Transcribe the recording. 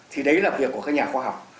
thì đấy là việc của các nhà khoa học